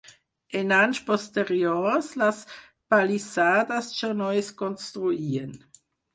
En anys posteriors, les palissades ja no es construïen.